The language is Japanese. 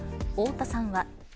太田さんは。